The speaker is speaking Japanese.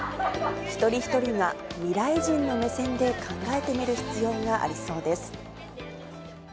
一人一人が未来人の目線で考えてみる必要がありそうです。